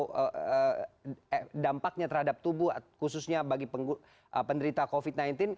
atau dampaknya terhadap tubuh khususnya bagi penderita covid sembilan belas